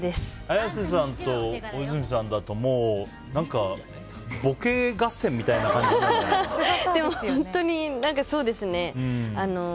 綾瀬さんと大泉さんだともう、ボケ合戦みたいなでも本当にそうですね。